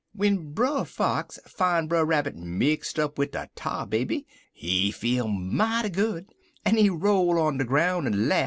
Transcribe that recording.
"W'en Brer Fox fine Brer Rabbit mixt up wid de Tar Baby, he feel mighty good, en he roll on de groun' en laff.